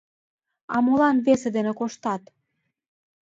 — А молан весе дене коштат?